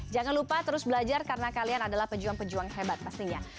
jangan lupa terus belajar karena kalian adalah pejuang pejuang hebat pastinya